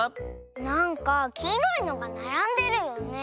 なんかきいろいのがならんでるよね。